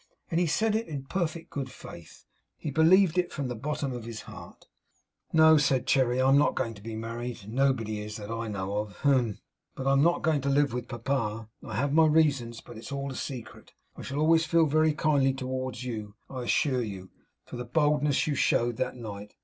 And he said it in perfect good faith. He believed it from the bottom of his heart. 'No,' said Cherry, 'I am not going to be married. Nobody is, that I know of. Hem! But I am not going to live with Papa. I have my reasons, but it's all a secret. I shall always feel very kindly towards you, I assure you, for the boldness you showed that night.